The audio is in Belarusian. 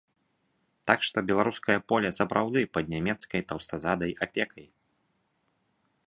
Так што беларускае поле сапраўды пад нямецкай таўстазадай апекай.